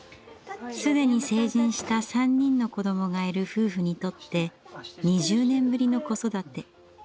既に成人した３人の子どもがいる夫婦にとって２０年ぶりの子育て。